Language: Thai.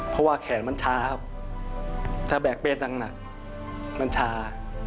เพราะว่าแขนมันช้าครับถ้าแบกเบสหนักมันช้า